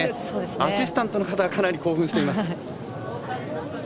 アシスタントの方がかなり興奮しています。